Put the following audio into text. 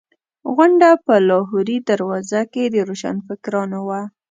غونډه په لاهوري دروازه کې د روشنفکرانو وه.